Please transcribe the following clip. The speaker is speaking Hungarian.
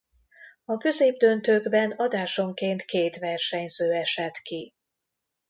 A középdöntőkben adásonként két versenyző esett ki.